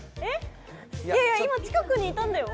いやいや今近くにいたんだよ